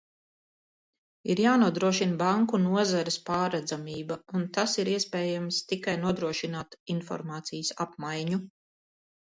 Ir jānodrošina banku nozares pārredzamība, un tas ir iespējams, tikai nodrošinot informācijas apmaiņu.